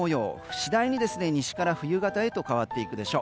次第に西から冬型へと変わっていくでしょう。